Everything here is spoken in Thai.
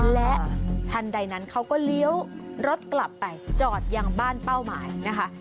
และทันใดนั้นเขาก็เลี้ยวรถกลับไปจอดยังบ้านเป้าหมายนะคะ